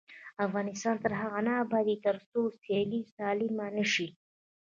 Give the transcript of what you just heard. افغانستان تر هغو نه ابادیږي، ترڅو سیالي سالمه نشي.